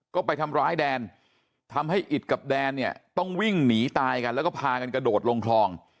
ก็ไปทำร้ายแดนทำให้อิดกับแดนเนี่ยต้องวิ่งหนีตายกันแล้วก็พากันกระโดดลงคลอง